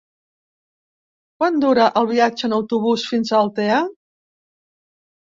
Quant dura el viatge en autobús fins a Altea?